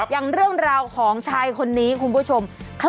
อย่างเรื่องราวของชายคนนี้คุณผู้ชม